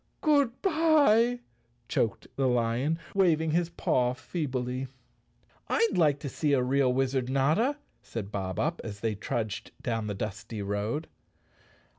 " Good bye," choked the lion, waving his paw feebly. "I'd like to see a real wizard, Notta," said Bob Up, as they trudged down the dusty road.